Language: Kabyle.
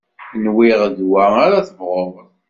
Nwiɣ d wa ara tebɣuḍ.